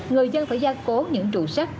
người dân phải gia cố những trụ sắt